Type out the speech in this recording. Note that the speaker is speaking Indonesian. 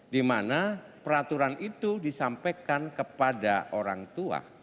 dimana peraturan itu disampaikan kepada orang tua